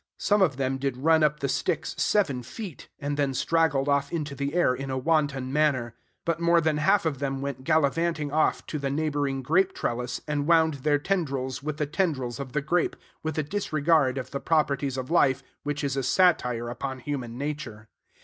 Some of them did run up the sticks seven feet, and then straggled off into the air in a wanton manner; but more than half of them went gallivanting off to the neighboring grape trellis, and wound their tendrils with the tendrils of the grape, with a disregard of the proprieties of life which is a satire upon human nature.